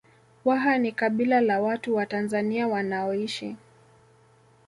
Waha ni kabila la watu wa Tanzania wanaoishi